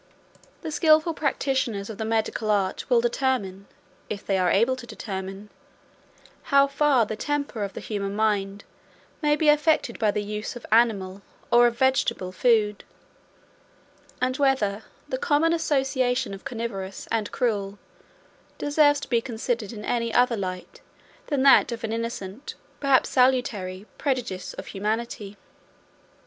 The skilful practitioners of the medical art will determine (if they are able to determine) how far the temper of the human mind may be affected by the use of animal, or of vegetable, food; and whether the common association of carniverous and cruel deserves to be considered in any other light than that of an innocent, perhaps a salutary, prejudice of humanity.